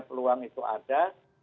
peluang itu ada